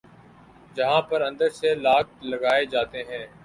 جہاں پر اندر سے لاک لگائے جاتے ہیں